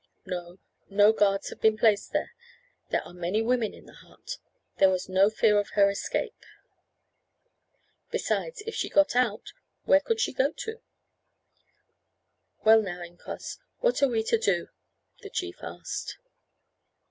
"No, no guards have been placed there. There are many women in the hut. There was no fear of her escape. Besides, if she got out, where could she go to?" "Well, now, incos, what are we to do?" the chief asked.